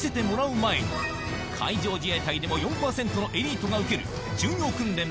海上自衛隊でも４％のエリートが受ける重要訓練